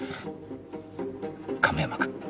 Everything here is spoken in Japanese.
亀山君。